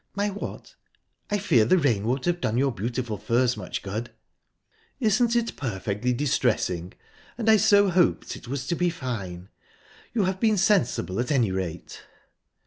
"My what?...I fear the rain won't have done your beautiful furs much good." "Isn't it perfectly distressing? And I so hoped it was to be fine. You have been sensible, at any rate."